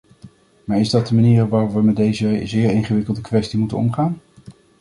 Maar is dat de manier waarop we met deze zeer ingewikkelde kwestie moeten omgaan?